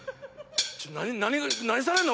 何されんの？